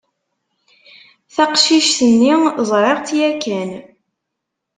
Taqcict-nni ẓriɣ-tt yakan.